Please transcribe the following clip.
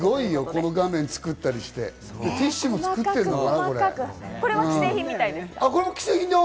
この画面作ってたりして、ティッシュもこれ作ってるのかな？